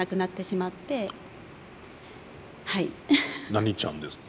何ちゃんですか？